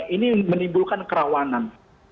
ini menimbulkan kerawanan